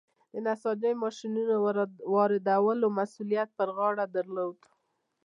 د نساجۍ ماشینونو د واردولو مسوولیت پر غاړه درلود.